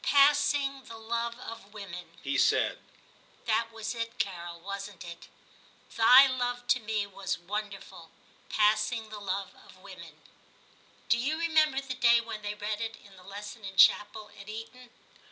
*" Passing the love of women," ' he said ;' that was it, Carol, wasn't it? '*Thy love to me was wonder ful, passing the love of women." Do you XIII TIM 315 remember the day when they read it in the lesson in chapel at Eton